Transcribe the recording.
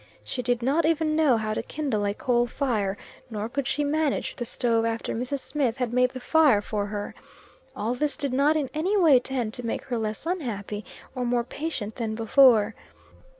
She did not even know how to kindle a coal fire; nor could she manage the stove after Mrs. Smith had made the fire for her. All this did not in any way tend to make her less unhappy or more patient than before.